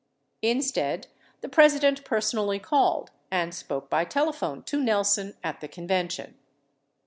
Instead, the President personally called and spoke by telephone to Nelson at the convention.